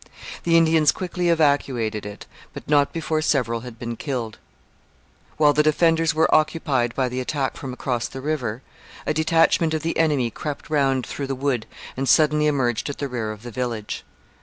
The Indians quickly evacuated it, but not before several had been killed. While the defenders were occupied by the attack from across the river, a detachment of the enemy crept round through the wood and suddenly emerged at the rear of the village.